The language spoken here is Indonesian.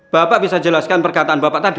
bapak bisa jelaskan perkataan bapak tadi